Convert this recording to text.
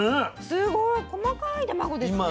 すごい細かい卵ですね。